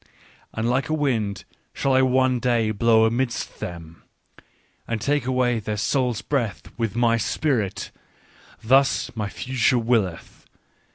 " And like a wind shall I one day blow amidst them, and take away their soul's breath with my spirit : thus my future willeth it.